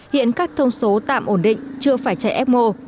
hiện các thông số tạm ổn định chưa phải chạy fo